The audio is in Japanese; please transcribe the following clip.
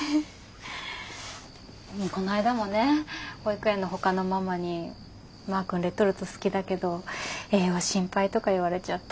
こないだもね保育園のほかのママに「まあくんレトルト好きだけど栄養心配」とか言われちゃって。